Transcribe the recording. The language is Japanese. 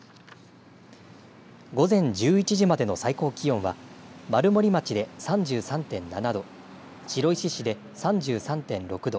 午前１１時までの最高気温は丸森町で３３．７度白石市で３３．６度